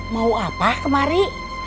mau apa kemari